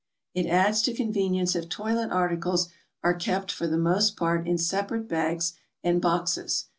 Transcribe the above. It adds to convenience if toilet articles are kept for the most part in separate bags and boxes.